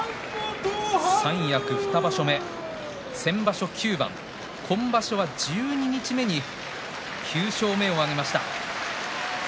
三役２場所目先場所９番、今場所は十二日目に９勝目を挙げました。